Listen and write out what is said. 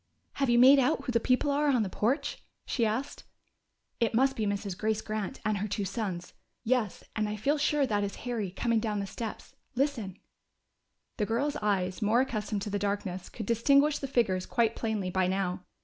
"Have you made out who the people are on the porch?" she asked. "It must be Mrs. Grace Grant and her two sons. Yes, and I feel sure that is Harry, coming down the steps now.... Listen!" The girls' eyes, more accustomed to the darkness, could distinguish the figures quite plainly by now.